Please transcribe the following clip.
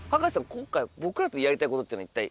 今回僕らとやりたいことっていうのは一体？